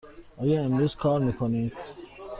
آیا امروز کار می کنید؟